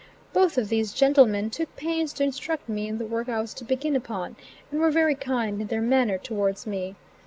Both of these gentlemen took pains to instruct me in the work I was to begin upon, and were very kind in their manner towards me.